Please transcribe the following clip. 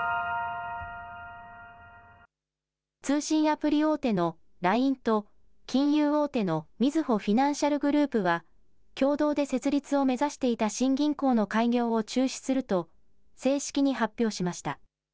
通信アプリ大手のＬＩＮＥと金融大手のみずほフィナンシャルグループは共同で設立を目指していた新銀行の開業を中止すると正式に発表しました。